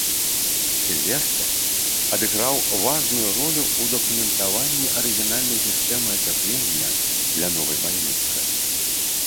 Сільвестр адыграў важную ролю ў дакументаванні арыгінальнай сістэмы ацяплення для новай бальніцы.